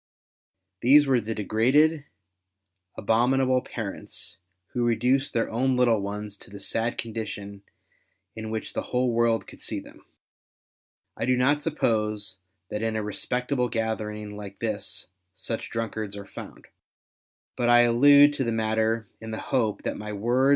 These were the degraded, abominable parents Avho reduced their own little ones to the sad condition in which the Avhole world could see them. I do not suppose that in a respectable gathering like this such drunkards are found, but I allude to the matter in the hope that my words r.